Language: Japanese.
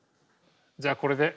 じゃあこれで。